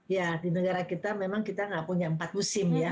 ya di negara kita memang kita nggak punya empat musim ya